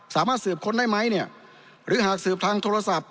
สามารถสืบค้นได้ไหมเนี่ยหรือหากสืบทางโทรศัพท์